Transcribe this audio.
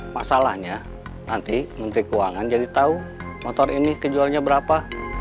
masalahnya nanti menteri keuangan jadi tahu motor ini dijualnya berapa